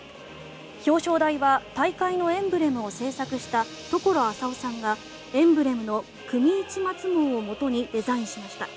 表彰台は大会のエンブレムを制作した野老朝雄さんがエンブレムの組市松紋をもとにデザインしました。